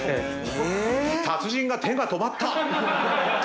達人の手が止まった！